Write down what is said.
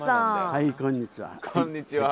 はいこんにちは。